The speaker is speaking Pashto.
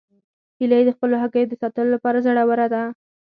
هیلۍ د خپلو هګیو د ساتلو لپاره زړوره ده